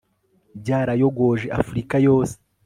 byarayogoje afurika yose